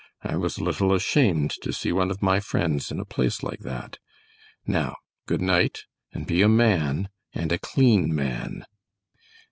I was a little ashamed to see one of my friends in a place like that. Now, good night, and be a man, and a clean man."